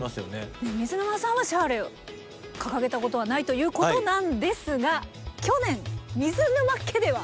水沼さんはシャーレを掲げたことはないということなんですが去年水沼家では。